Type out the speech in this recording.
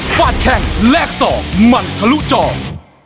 วัดแข่งเล็กซอร์มันทะลุจอร์